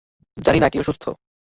জানি না কে অসুস্থ।